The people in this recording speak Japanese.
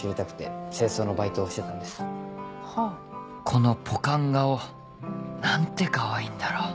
このポカン顔何てかわいいんだろう